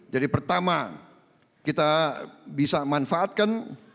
jadi pertama kita bisa manfaatkan